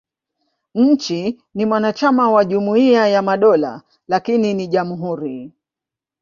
Nchi ni mwanachama wa Jumuiya ya Madola, lakini ni jamhuri.